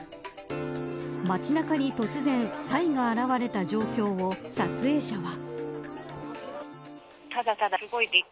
街中に突然サイが現れた状況を撮影者は。